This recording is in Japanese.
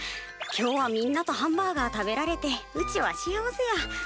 今日はみんなとハンバーガー食べられてうちは幸せや。